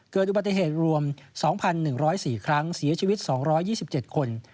เกิดอุบัติเหตุรวม๒๑๐๔ครั้งเสียชีวิต๒๒๗คน